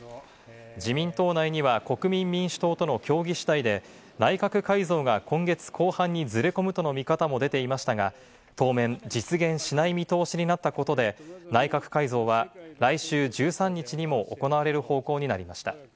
自民党内には国民民主党との協議次第で内閣改造が今月、後半にずれ込むとの見方も出ていましたが、当面、実現しない見通しになったことで、内閣改造は来週１３日にも行われる方向になりました。